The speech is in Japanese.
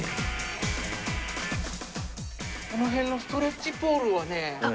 この辺のストレッチポールはね